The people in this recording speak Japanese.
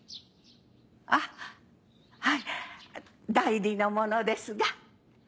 あっはい代理の者ですが。